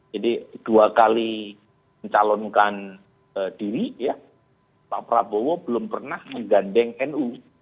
jadi dua kali mencalonkan diri ya pak prabowo belum pernah menggandeng nu